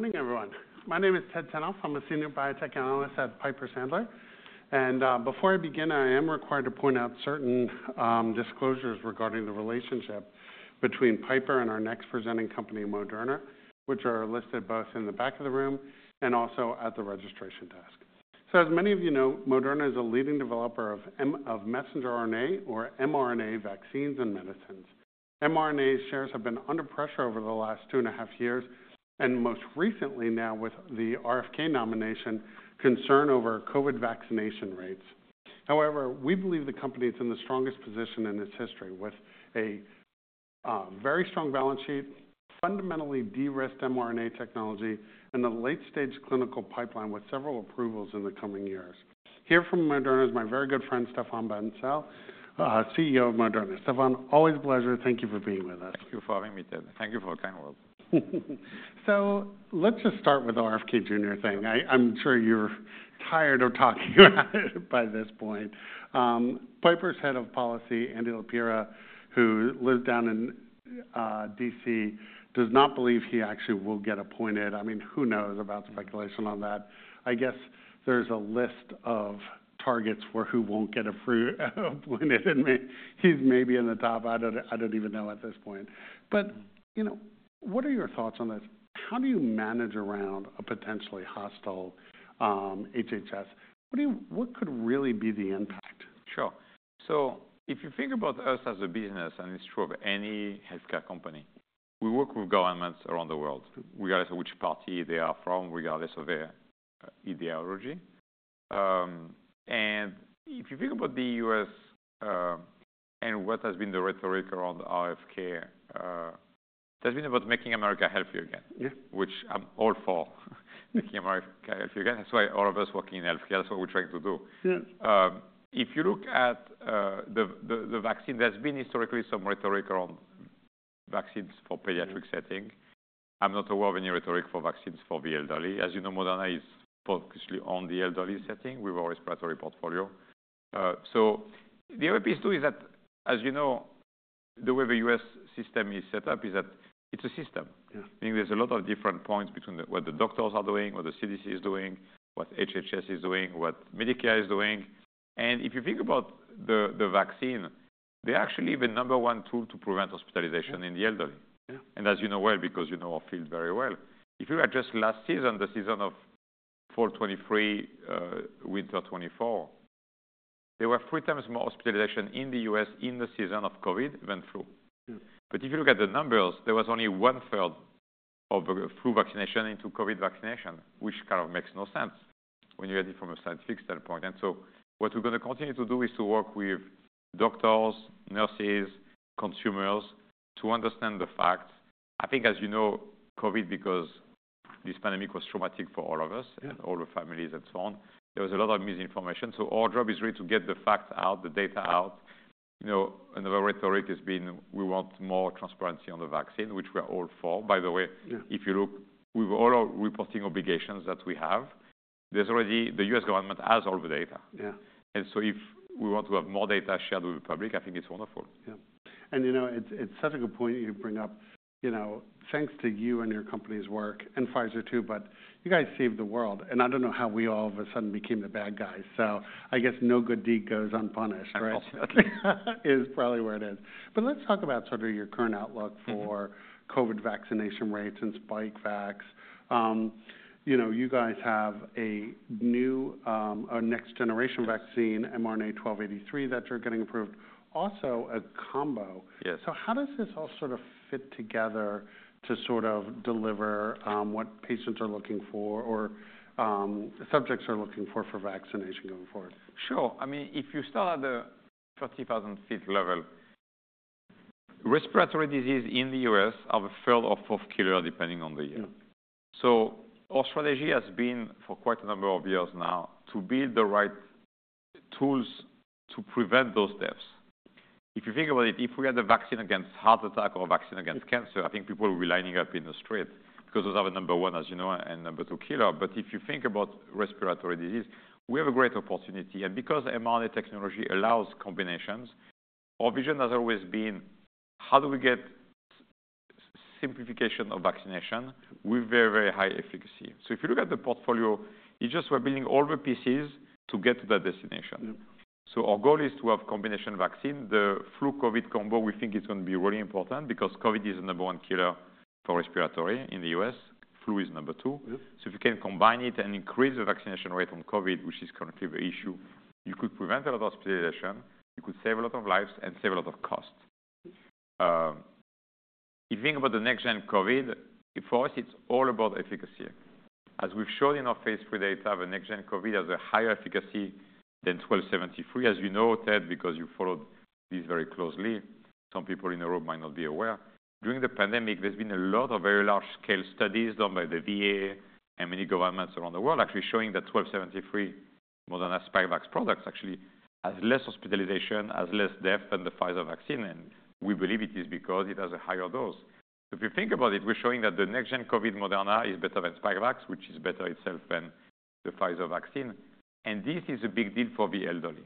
Morning, everyone. My name is Ted Tenthoff. I'm a senior biotech analyst at Piper Sandler. And before I begin, I am required to point out certain disclosures regarding the relationship between Piper and our next presenting company, Moderna, which are listed both in the back of the room and also at the registration desk. So, as many of you know, Moderna is a leading developer of messenger RNA or mRNA vaccines and medicines. mRNA shares have been under pressure over the last two and a half years, and most recently now with the RFK nomination, concern over COVID vaccination rates. However, we believe the company is in the strongest position in its history, with a very strong balance sheet, fundamentally de-risked mRNA technology, and a late-stage clinical pipeline with several approvals in the coming years. Here from Moderna is my very good friend, Stéphane Bancel, CEO of Moderna. Stéphane, always a pleasure. Thank you for being with us. Thank you for having me, Ted. Thank you for the kind words. So, let's just start with the RFK Jr. thing. I'm sure you're tired of talking about it by this point. Piper's head of policy, Andy Laperriere, who lives down in D.C., does not believe he actually will get appointed. I mean, who knows about speculation on that? I guess there's a list of targets for who won't get appointed, and he's maybe in the top. I don't even know at this point. But, you know, what are your thoughts on this? How do you manage around a potentially hostile HHS? What could really be the impact? Sure. So, if you think about us as a business, and it's true of any healthcare company, we work with governments around the world, regardless of which party they are from, regardless of their ideology. And if you think about the U.S. and what has been the rhetoric around RFK, that's been about making America healthy again, which I'm all for, making America healthy again. That's why all of us working in healthcare, that's what we're trying to do. If you look at the vaccine, there's been historically some rhetoric around vaccines for pediatric setting. I'm not aware of any rhetoric for vaccines for the elderly. As you know, Moderna is focused on the elderly setting with our respiratory portfolio. So, the other piece too is that, as you know, the way the U.S. system is set up is that it's a system. I mean, there's a lot of different points between what the doctors are doing, what the CDC is doing, what HHS is doing, what Medicare is doing. And if you think about the vaccine, they're actually the number one tool to prevent hospitalization in the elderly. As you know well, because you know our field very well, if you address last season, the season of Fall 2023, Winter 2024, there were three times more hospitalizations in the U.S. in the season of COVID than flu. But if you look at the numbers, there was only one third of flu vaccination into COVID vaccination, which kind of makes no sense when you add it from a scientific standpoint. What we're going to continue to do is to work with doctors, nurses, consumers to understand the facts. I think, as you know, COVID, because this pandemic was traumatic for all of us and all the families and so on, there was a lot of misinformation. So, our job is really to get the facts out, the data out. You know, another rhetoric has been, we want more transparency on the vaccine, which we are all for. By the way, if you look, with all our reporting obligations that we have, there's already, the U.S. government has all the data. And so, if we want to have more data shared with the public, I think it's wonderful. Yeah, and, you know, it's such a good point you bring up, you know, thanks to you and your company's work and Pfizer too, but you guys saved the world, and I don't know how we all of a sudden became the bad guys, so, I guess no good deed goes unpunished, right? Absolutely. Is probably where it is, but let's talk about sort of your current outlook for COVID vaccination rates and Spikevax. You know, you guys have a new, a next generation vaccine, mRNA-1283, that you're getting approved, also a combo. Yes. So, how does this all sort of fit together to sort of deliver what patients are looking for or subjects are looking for for vaccination going forward? Sure. I mean, if you start at the 30,000 feet level, respiratory disease in the U.S. is a field of fifth killer, depending on the year. So, our strategy has been for quite a number of years now to build the right tools to prevent those deaths. If you think about it, if we had a vaccine against heart attack or a vaccine against cancer, I think people would be lining up in the street because those are the number one, as you know, and number two killer. But if you think about respiratory disease, we have a great opportunity. And because mRNA technology allows combinations, our vision has always been, how do we get simplification of vaccination with very, very high efficacy? So, if you look at the portfolio, it's just we're building all the pieces to get to that destination. Our goal is to have a combination vaccine. The flu-COVID combo, we think it's going to be really important because COVID is the number one killer for respiratory in the U.S. Flu is number two. So, if you can combine it and increase the vaccination rate on COVID, which is currently the issue, you could prevent a lot of hospitalization, you could save a lot of lives, and save a lot of costs. If you think about the next gen COVID, for us, it's all about efficacy. As we've shown in our phase three data, the next gen COVID has a higher efficacy than 1273. As you know, Ted, because you followed this very closely, some people in the room might not be aware. During the pandemic, there's been a lot of very large-scale studies done by the VA and many governments around the world actually showing that mRNA-1273, Moderna's Spikevax product, actually has less hospitalization, has less death than the Pfizer vaccine. And we believe it is because it has a higher dose. So, if you think about it, we're showing that the next-gen COVID, Moderna, is better than Spikevax, which is better itself than the Pfizer vaccine. And this is a big deal for the elderly.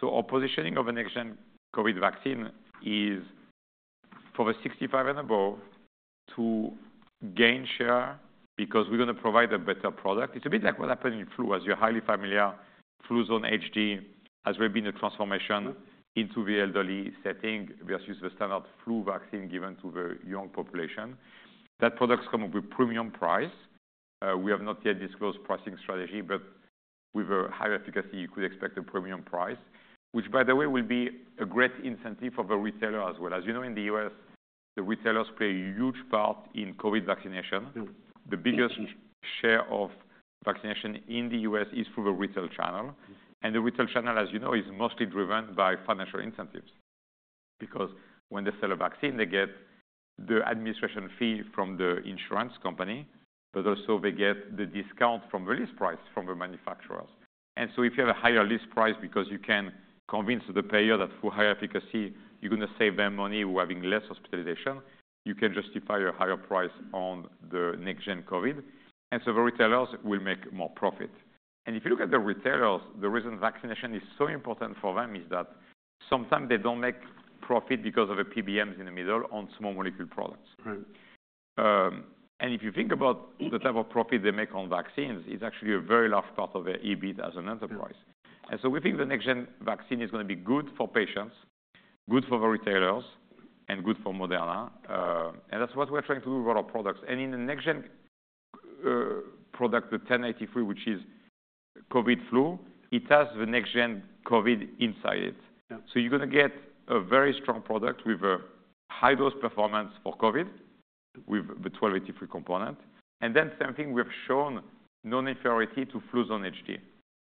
So, our positioning of the next-gen COVID vaccine is for the 65 and above to gain share because we're going to provide a better product. It's a bit like what happened in flu, as you're highly familiar, Fluzone HD has really been a transformation into the elderly setting versus the standard flu vaccine given to the young population. That product's come up with a premium price. We have not yet disclosed pricing strategy, but with a higher efficacy, you could expect a premium price, which, by the way, will be a great incentive for the retailer as well. As you know, in the U.S., the retailers play a huge part in COVID vaccination. The biggest share of vaccination in the U.S. is through the retail channel. And the retail channel, as you know, is mostly driven by financial incentives because when they sell a vaccine, they get the administration fee from the insurance company, but also they get the discount from the list price from the manufacturers. And so, if you have a higher list price because you can convince the payer that through higher efficacy, you're going to save them money while having less hospitalization, you can justify your higher price on the next gen COVID. And so, the retailers will make more profit. And if you look at the retailers, the reason vaccination is so important for them is that sometimes they don't make profit because of the PBMs in the middle on small molecule products. And if you think about the type of profit they make on vaccines, it's actually a very large part of their EBIT as an enterprise. And so, we think the next gen vaccine is going to be good for patients, good for the retailers, and good for Moderna. And that's what we're trying to do with our products. And in the next gen product, the 1083, which is COVID flu, it has the next gen COVID inside it. So, you're going to get a very strong product with a high dose performance for COVID with the 1283 component. And then something we've shown, no inferiority to Fluzone HD.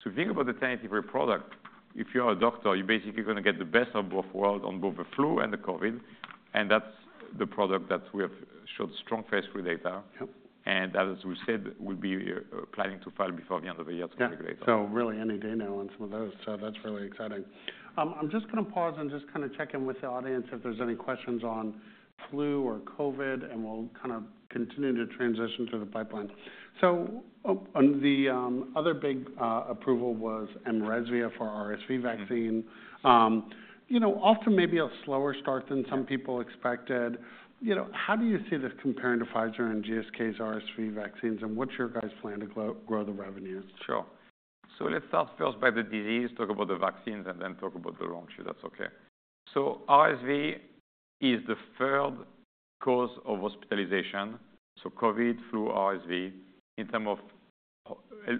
So, if you think about the 1083 product, if you're a doctor, you're basically going to get the best of both worlds on both the flu and the COVID. And that's the product that we have showed strong phase three data. And as we said, we'll be planning to file before the end of the year to the regulator. So, really any day now on some of those. So, that's really exciting. I'm just going to pause and just kind of check in with the audience if there's any questions on flu or COVID, and we'll kind of continue to transition to the pipeline. So, the other big approval was mRESVIA for RSV vaccine. You know, often maybe a slower start than some people expected. You know, how do you see this comparing to Pfizer and GSK's RSV vaccines? And what's your guys' plan to grow the revenue? Sure. So, let's start first by the disease, talk about the vaccines, and then talk about the launch, if that's okay. So, RSV is the third cause of hospitalization. So, COVID, flu, RSV in terms of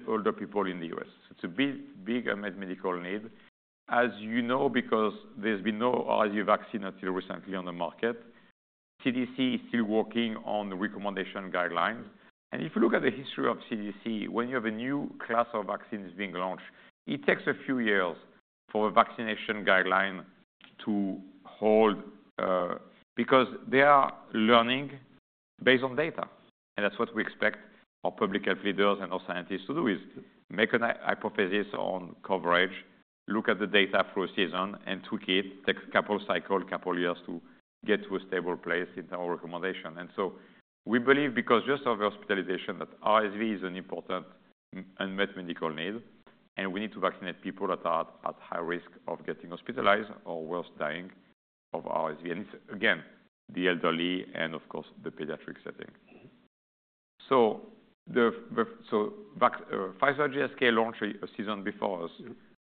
older people in the U.S. It's a big unmet medical need. As you know, because there's been no RSV vaccine until recently on the market, CDC is still working on the recommendation guidelines. And if you look at the history of CDC, when you have a new class of vaccines being launched, it takes a few years for a vaccination guideline to hold because they are learning based on data. That's what we expect our public health leaders and our scientists to do, is make a hypothesis on coverage, look at the data through a season, and tweak it, take a couple of cycles, a couple of years to get to a stable place in terms of recommendation. So, we believe, because just of the hospitalization, that RSV is an important unmet medical need, and we need to vaccinate people that are at high risk of getting hospitalized or worse, dying of RSV. It's, again, the elderly and, of course, the pediatric setting. Pfizer GSK launched a season before us.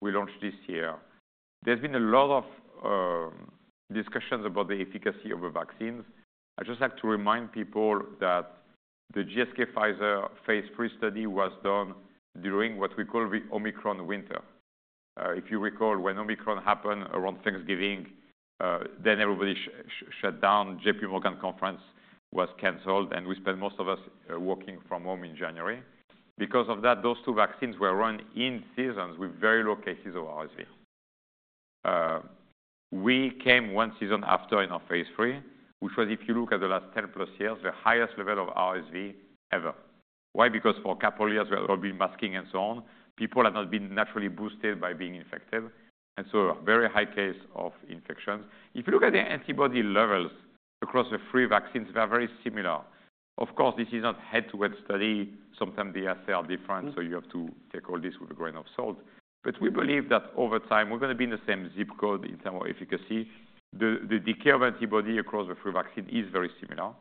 We launched this year. There's been a lot of discussions about the efficacy of the vaccines. I'd just like to remind people that the GSK-Pfizer phase three study was done during what we call the Omicron winter. If you recall, when Omicron happened around Thanksgiving, then everybody shut down, JP Morgan conference was canceled, and we spent most of us working from home in January. Because of that, those two vaccines were run in seasons with very low cases of RSV. We came one season after in our phase three, which was, if you look at the last 10 plus years, the highest level of RSV ever. Why? Because for a couple of years, we've all been masking and so on. People have not been naturally boosted by being infected. And so, a very high case of infections. If you look at the antibody levels across the three vaccines, they are very similar. Of course, this is not a head-to-head study. Sometimes the assays are different, so you have to take all this with a grain of salt. But we believe that over time, we're going to be in the same zip code in terms of efficacy. The decay of antibody across the three vaccines is very similar.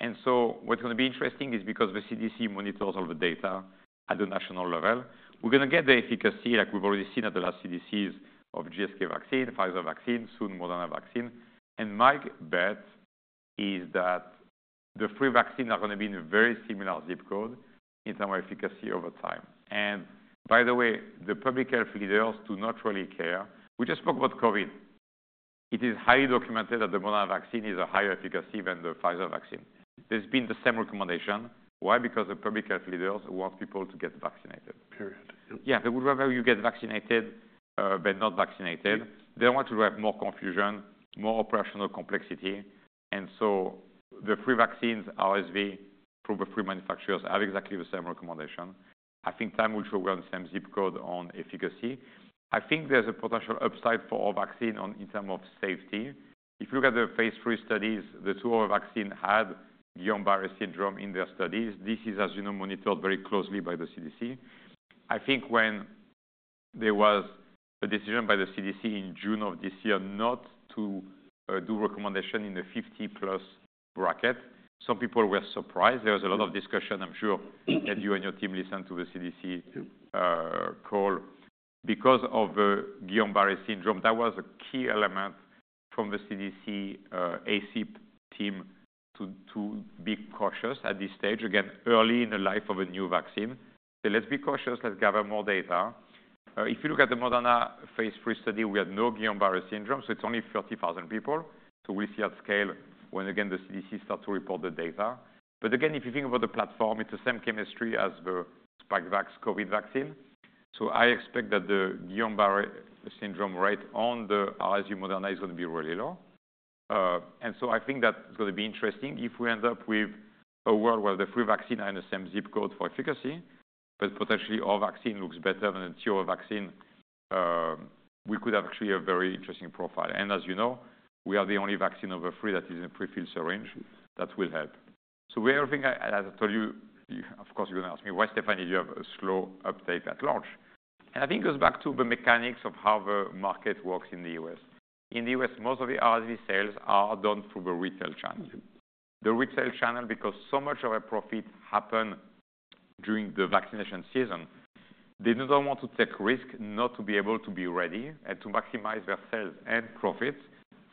And so, what's going to be interesting is because the CDC monitors all the data at the national level, we're going to get the efficacy, like we've already seen at the last CDC's of GSK vaccine, Pfizer vaccine, soon Moderna vaccine. And my bet is that the three vaccines are going to be in a very similar zip code in terms of efficacy over time. And by the way, the public health leaders do not really care. We just spoke about COVID. It is highly documented that the Moderna vaccine is higher efficacy than the Pfizer vaccine. There's been the same recommendation. Why? Because the public health leaders want people to get vaccinated. Period. Yeah. They would rather you get vaccinated than not vaccinated. They don't want to have more confusion, more operational complexity. And so, the three vaccines, RSV, through the three manufacturers, have exactly the same recommendation. I think time will show we're on the same zip code on efficacy. I think there's a potential upside for our vaccine in terms of safety. If you look at the phase three studies, the two of our vaccines had Guillain-Barré syndrome in their studies. This is, as you know, monitored very closely by the CDC. I think when there was a decision by the CDC in June of this year not to do recommendation in the 50 plus bracket, some people were surprised. There was a lot of discussion. I'm sure that you and your team listened to the CDC call. Because of the Guillain-Barré syndrome, that was a key element from the CDC ACIP team to be cautious at this stage, again, early in the life of a new vaccine. So, let's be cautious. Let's gather more data. If you look at the Moderna phase 3 study, we had no Guillain-Barré syndrome, so it's only 30,000 people. So, we'll see at scale when, again, the CDC starts to report the data. But again, if you think about the platform, it's the same chemistry as the spike vaccine, COVID vaccine. So, I expect that the Guillain-Barré syndrome rate on the RSV, Moderna, is going to be really low. And so, I think that's going to be interesting if we end up with a world where the three vaccines are in the same zip code for efficacy, but potentially our vaccine looks better than the two vaccines. We could have actually a very interesting profile. And as you know, we are the only vaccine of the three that is in the prefilled syringe that will help. So, we have everything I told you. Of course, you're going to ask me, why, Stéphane, do you have a slow uptake at launch? And I think it goes back to the mechanics of how the market works in the U.S. In the U.S., most of the RSV sales are done through the retail channel. The retail channel, because so much of our profit happened during the vaccination season, they don't want to take risks not to be able to be ready and to maximize their sales and profits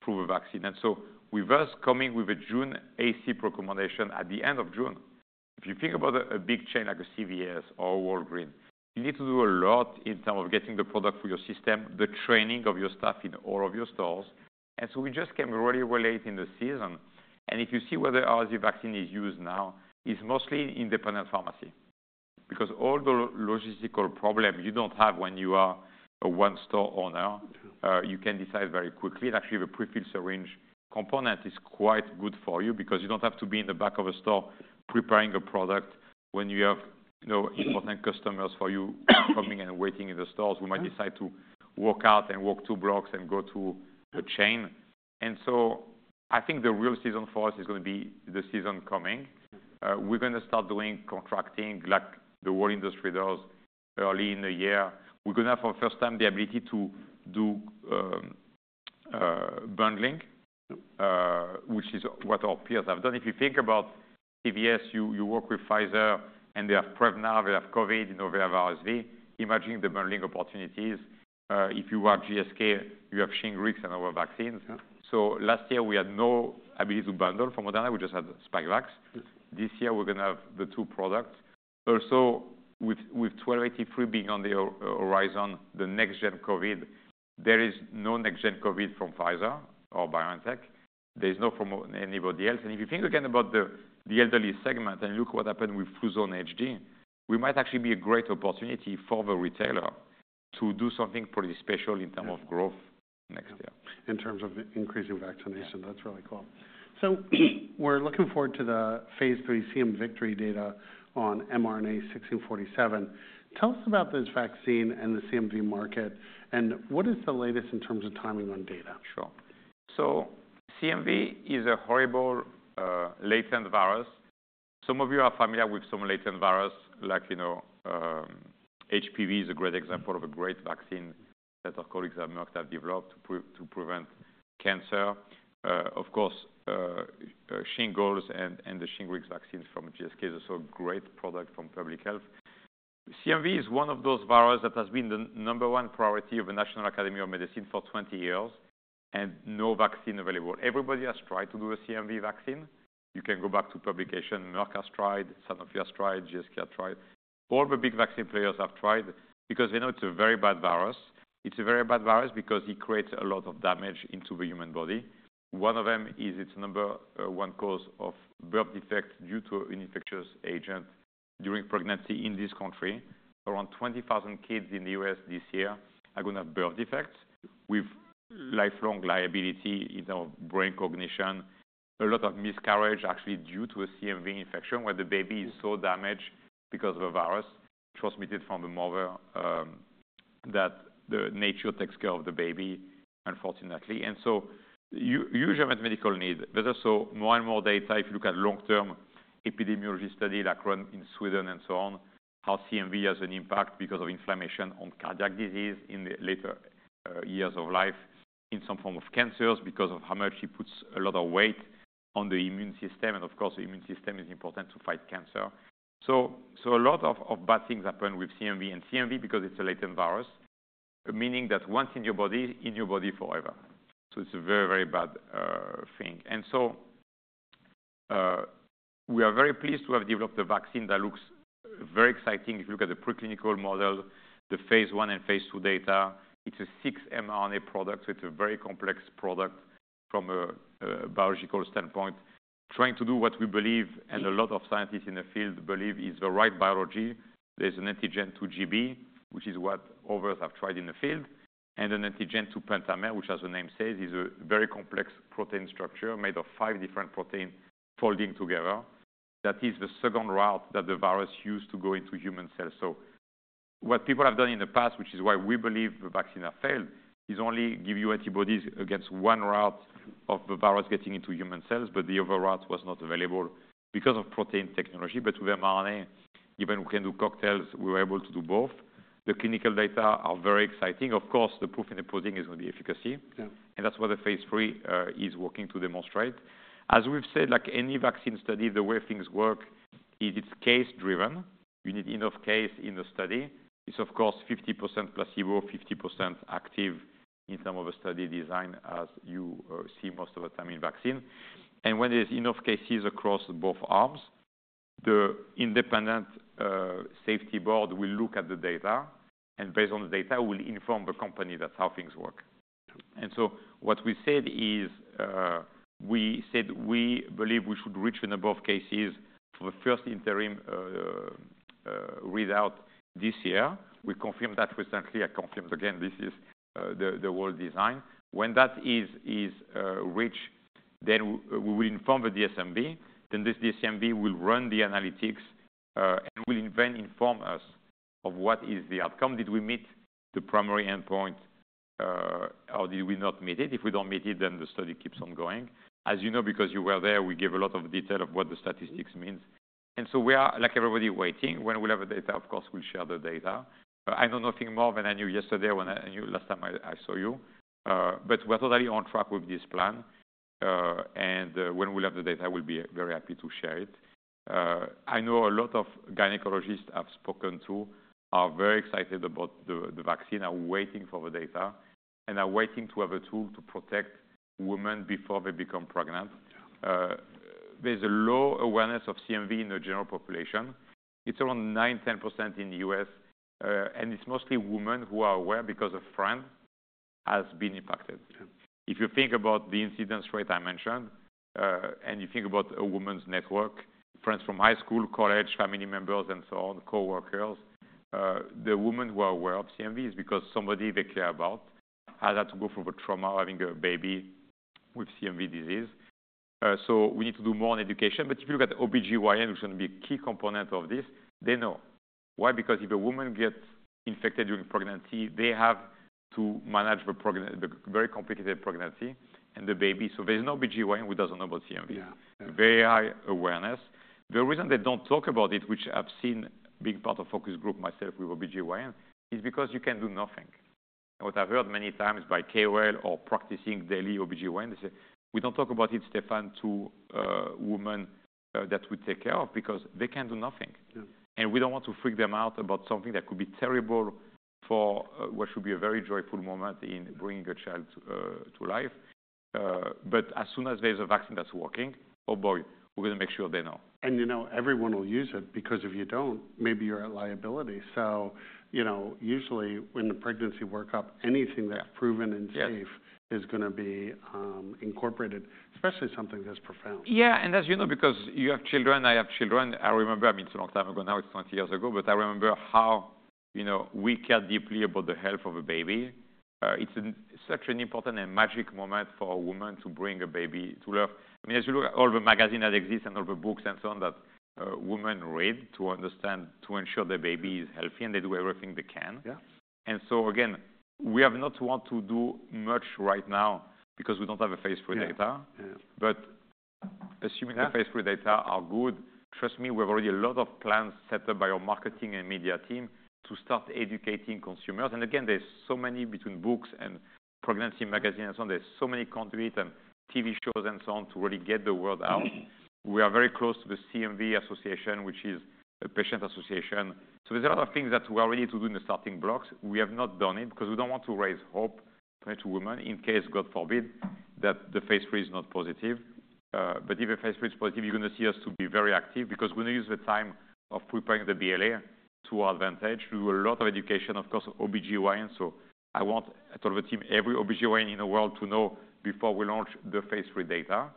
through the vaccine. And so, with us coming with a June ACIP recommendation at the end of June, if you think about a big chain like a CVS or Walgreens, you need to do a lot in terms of getting the product for your system, the training of your staff in all of your stores. And so, we just came really, really late in the season. And if you see where the RSV vaccine is used now, it's mostly independent pharmacy because all the logistical problems you don't have when you are a one-store owner, you can decide very quickly. And actually, the prefilled syringe component is quite good for you because you don't have to be in the back of a store preparing a product when you have important customers for you coming and waiting in the stores who might decide to walk out and walk two blocks and go to the chain. And so, I think the real season for us is going to be the season coming. We're going to start doing contracting like the whole industry does early in the year. We're going to have for the first time the ability to do bundling, which is what our peers have done. If you think about CVS, you work with Pfizer, and they have Prevnar, they have COVID, you know, they have RSV. Imagine the bundling opportunities. If you want GSK, you have Shingrix and other vaccines. So, last year, we had no ability to bundle from Moderna. We just had spike vaccine. This year, we're going to have the two products. Also, with 1283 being on the horizon, the next-gen COVID, there is no next-gen COVID from Pfizer or BioNTech. There's no from anybody else. And if you think again about the elderly segment and look what happened with Fluzone HD, we might actually be a great opportunity for the retailer to do something pretty special in terms of growth next year. In terms of increasing vaccination, that's really cool. So, we're looking forward to the phase 3 CMV data on mRNA-1647. Tell us about this vaccine and the CMV market, and what is the latest in terms of timing on data? Sure, so CMV is a horrible latent virus. Some of you are familiar with some latent virus, like, you know, HPV is a great example of a great vaccine that our colleagues at Merck have developed to prevent cancer. Of course, Shingles and the Shingrix vaccines from GSK is also a great product from public health. CMV is one of those viruses that has been the number one priority of the National Academy of Medicine for 20 years and no vaccine available. Everybody has tried to do a CMV vaccine. You can go back to publication. Merck has tried, Sanofi has tried, GSK has tried. All the big vaccine players have tried because they know it's a very bad virus. It's a very bad virus because it creates a lot of damage into the human body. One of them is its number one cause of birth defects due to an infectious agent during pregnancy in this country. Around 20,000 kids in the U.S. this year are going to have birth defects with lifelong disability in terms of brain cognition, a lot of miscarriage actually due to a CMV infection where the baby is so damaged because of a virus transmitted from the mother that nature takes care of the baby, unfortunately, so huge unmet medical need. There's also more and more data. If you look at long-term epidemiology studies like the one in Sweden and so on, how CMV has an impact because of inflammation on cardiac disease in the later years of life in some forms of cancer because of how much it puts a lot of weight on the immune system. Of course, the immune system is important to fight cancer. So, a lot of bad things happen with CMV and CMV because it's a latent virus, meaning that once in your body, in your body forever. So, it's a very, very bad thing. And so, we are very pleased to have developed a vaccine that looks very exciting. If you look at the preclinical model, the phase one and phase two data, it's a six mRNA product. So, it's a very complex product from a biological standpoint, trying to do what we believe and a lot of scientists in the field believe is the right biology. There's an antigen to gB, which is what others have tried in the field, and an antigen to pentamer, which, as the name says, is a very complex protein structure made of five different proteins folding together. That is the second route that the virus used to go into human cells. So, what people have done in the past, which is why we believe the vaccine has failed, is only give you antibodies against one route of the virus getting into human cells, but the other route was not available because of protein technology. But with mRNA, even we can do cocktails. We were able to do both. The clinical data are very exciting. Of course, the proof in the pudding is going to be efficacy. And that's what the phase three is working to demonstrate. As we've said, like any vaccine study, the way things work is it's case-driven. You need enough case in the study. It's, of course, 50% placebo, 50% active in terms of a study design, as you see most of the time in vaccine. When there's enough cases across both arms, the independent safety board will look at the data, and based on the data, will inform the company. That's how things work. What we said is we said we believe we should reach and above cases for the first interim readout this year. We confirmed that recently. I confirmed again, this is the trial design. When that is reached, then we will inform the DSMB. Then this DSMB will run the analytics and will then inform us of what is the outcome. Did we meet the primary endpoint, or did we not meet it? If we don't meet it, then the study keeps on going. As you know, because you were there, we gave a lot of detail of what the statistics means. We are like everybody waiting. When we have the data, of course, we'll share the data. I know nothing more than I knew yesterday when I knew last time I saw you, but we're totally on track with this plan, and when we have the data, we'll be very happy to share it. I know a lot of gynecologists I've spoken to are very excited about the vaccine, are waiting for the data, and are waiting to have a tool to protect women before they become pregnant. There's a low awareness of CMV in the general population. It's around 9%-10% in the U.S., and it's mostly women who are aware because a friend has been infected. If you think about the incidence rate I mentioned and you think about a woman's network, friends from high school, college, family members, and so on, coworkers, the women who are aware of CMV is because somebody they care about has had to go through the trauma of having a baby with CMV disease. So, we need to do more on education. But if you look at OBGYN, who's going to be a key component of this, they know. Why? Because if a woman gets infected during pregnancy, they have to manage the very complicated pregnancy and the baby. So, there's no OBGYN who doesn't know about CMV. Very high awareness. The reason they don't talk about it, which I've seen being part of focus group myself with OBGYN, is because you can do nothing. And what I've heard many times by KOL or practicing daily OBGYN, they say, "We don't talk about it, Stéphane, to women that we take care of because they can't do nothing." And we don't want to freak them out about something that could be terrible for what should be a very joyful moment in bringing a child to life. But as soon as there's a vaccine that's working, oh boy, we're going to make sure they know. You know, everyone will use it because if you don't, maybe you're at liability. So, you know, usually when the pregnancy works up, anything that's proven and safe is going to be incorporated, especially something that's profound. Yeah. And as you know, because you have children, I have children. I remember, I mean, it's a long time ago. Now it's 20 years ago, but I remember how, you know, we care deeply about the health of a baby. It's such an important and magic moment for a woman to bring a baby to life. I mean, as you look at all the magazines that exist and all the books and so on that women read to understand, to ensure their baby is healthy, and they do everything they can. And so, again, we have not wanted to do much right now because we don't have a phase three data. But assuming the phase three data are good, trust me, we have already a lot of plans set up by our marketing and media team to start educating consumers. Again, there's so many between books and pregnancy magazines and so on. There's so many conduits and TV shows and so on to really get the word out. We are very close to the CMV Association, which is a patient association. So, there's a lot of things that we are ready to do in the starting blocks. We have not done it because we don't want to raise hope to women, in case, God forbid, that the phase three is not positive. But if the phase three is positive, you're going to see us to be very active because we're going to use the time of preparing the BLA to our advantage, to do a lot of education, of course, OB-GYN. So, I want to tell the team, every OB-GYN in the world to know before we launch the phase three data.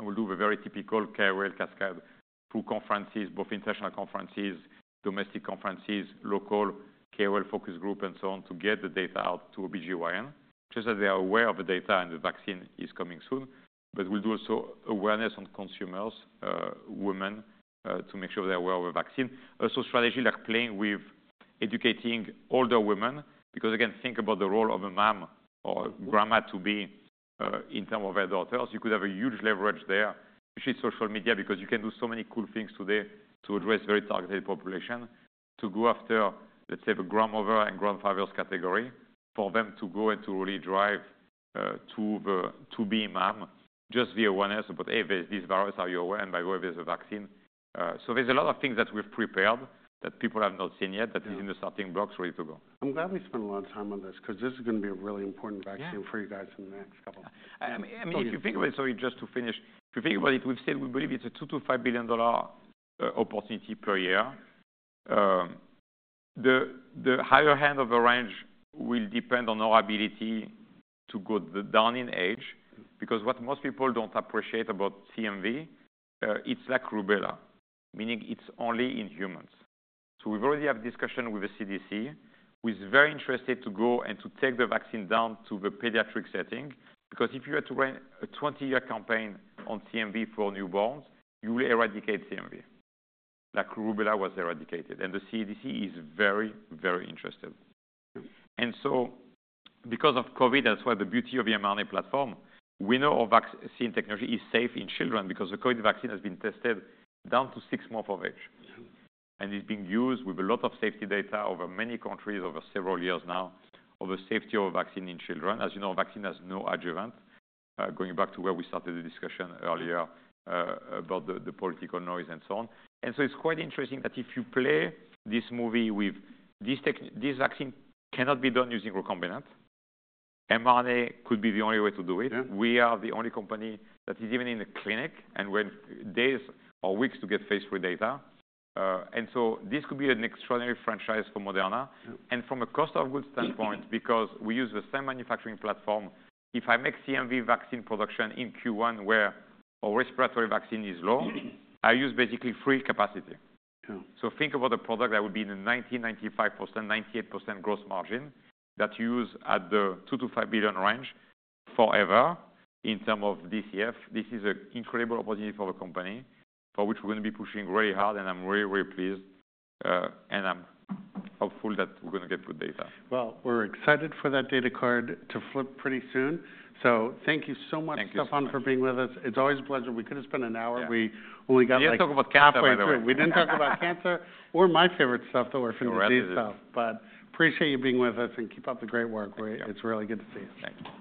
We'll do the very typical KOL cascade through conferences, both international conferences, domestic conferences, local KOL focus group, and so on, to get the data out to OB-GYN, just that they are aware of the data and the vaccine is coming soon, but we'll do also awareness on consumers, women, to make sure they're aware of the vaccine. Also, strategy like playing with educating older women because, again, think about the role of a mom or a grandma-to-be in terms of their daughters. You could have a huge leverage there, especially social media, because you can do so many cool things today to address a very targeted population, to go after, let's say, the grandmother and grandfather's category for them to go and to really drive to be a mom, just the awareness about, hey, there's this virus, are you aware, and by the way, there's a vaccine. So, there's a lot of things that we've prepared that people have not seen yet that is in the starting blocks ready to go. I'm glad we spent a lot of time on this because this is going to be a really important vaccine for you guys in the next couple of months. I mean, if you think about it, sorry, just to finish, if you think about it, we've said we believe it's a $2-$5 billion opportunity per year. The higher end of the range will depend on our ability to go down in age because what most people don't appreciate about CMV, it's like rubella, meaning it's only in humans. So, we've already had discussion with the CDC. We're very interested to go and to take the vaccine down to the pediatric setting because if you had to run a 20-year campaign on CMV for newborns, you will eradicate CMV, like rubella was eradicated. The CDC is very, very interested. Because of COVID, that's why the beauty of the mRNA platform, we know our vaccine technology is safe in children because the COVID vaccine has been tested down to six months of age. It's being used with a lot of safety data over many countries over several years now, over safety of vaccine in children. As you know, vaccine has no adjuvant, going back to where we started the discussion earlier about the political noise and so on. It's quite interesting that if you play this movie with this vaccine cannot be done using recombinant. mRNA could be the only way to do it. We are the only company that is even in a clinic, and we have days or weeks to get phase three data. This could be an extraordinary franchise for Moderna. From a cost of goods standpoint, because we use the same manufacturing platform, if I make CMV vaccine production in Q1 where our respiratory vaccine is low, I use basically free capacity. So, think about a product that would be in the 90%, 95%, 98% gross margin that you use at the $2-$5 billion range forever in terms of DCF. This is an incredible opportunity for the company for which we're going to be pushing really hard, and I'm really, really pleased, and I'm hopeful that we're going to get good data. We're excited for that data card to flip pretty soon. So, thank you so much, Stéphane, for being with us. It's always a pleasure. We could have spent an hour. We only got like. Yeah, talk about cancer though. We didn't talk about cancer or my favorite stuff though, or if it is stuff. But appreciate you being with us and keep up the great work. It's really good to see you. Thanks.